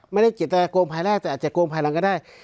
ไม่ได้เจตนาโกงภายแรกแต่อาจจะโกงภายหลังก็ได้